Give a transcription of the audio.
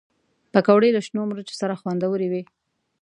پکورې له شنو مرچو سره خوندورې وي